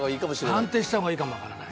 判定した方がいいかもわからない。